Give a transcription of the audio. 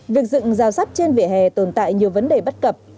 việc dựng rào sắt trên vỉa hè tồn tại nhiều vấn đề bất cập